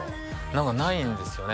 何かないんですよね